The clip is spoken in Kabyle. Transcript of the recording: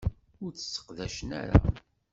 Ur tt-sseqdacen ara.